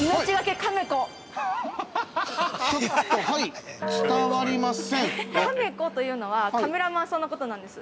◆カメコというのは、カメラマンさんのことです。